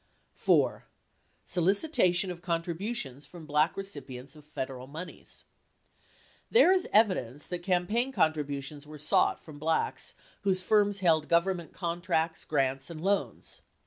85 4. SOLICITATION OF CONTRIBUTIONS FROM BLACK RECIPIENTS OF FEDERAL MONEYS There is evidence that campaign contributions w r ere sought from blacks whose firms held Government contracts, grants, and loans.